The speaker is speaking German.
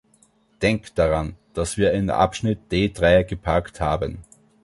Denk daran, dass wir in Abschnitt D drei geparkt haben.